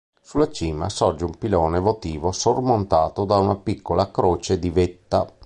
Sulla cima sorge un pilone votivo sormontato da una piccola croce di vetta.